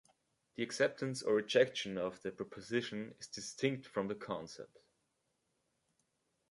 The acceptance or rejection of the proposition is distinct from the concept.